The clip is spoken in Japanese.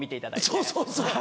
そうそうそう。